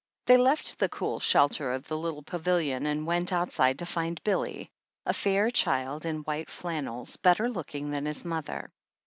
They left the cool shelter of the little pavilion and went outside to find Billy, a fair child in white flannels, better looking than his mother.